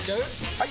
・はい！